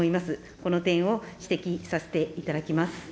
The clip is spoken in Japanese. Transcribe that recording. この点を指摘させていただきます。